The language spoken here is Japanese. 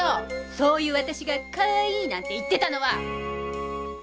そういう私がかわいいなんて言ってたのは！